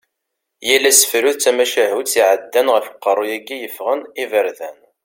Yal asefru d tamacahutt iɛeddan ɣef uqerru-yagi yeffɣen iberdan.